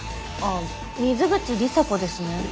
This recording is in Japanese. ああ水口里紗子ですね。